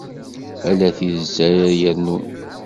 Ala tidet ara yernun.